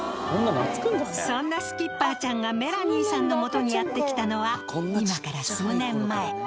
そんなスキッパーちゃんがメラニーさんのもとにやって来たのは今から数年前。